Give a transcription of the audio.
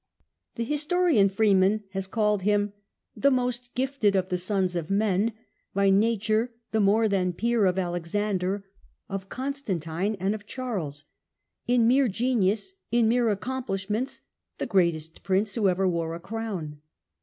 The historian Freeman has called him " the most gifted of the sons of men ; by nature the more than peer of Alexander, of Constantine, and of Charles ; in mere genius, in mere accomplishments, the greatest prince who ever wore a crown."